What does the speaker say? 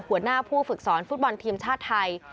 หัวหน้าผู้ฝึกสอนฟุตบอลทีมชาติไทย